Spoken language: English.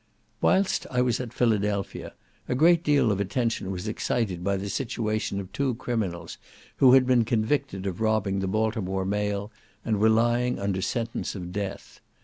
Whilst I was at Philadelphia a great deal of attention was excited by the situation of two criminals, who had been convicted of robbing the Baltimore mail, and were lying under sentence of death.